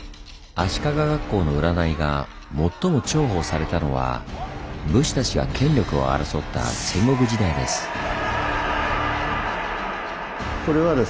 足利学校の占いが最も重宝されたのは武士たちが権力を争った戦国時代です。